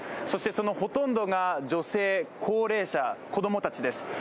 そして、そのほとんどが女性、高齢者、子供たちです。